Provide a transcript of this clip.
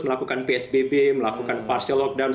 melakukan psbb melakukan partial lockdown